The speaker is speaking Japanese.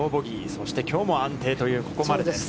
そして、きょうも安定という、ここまでです。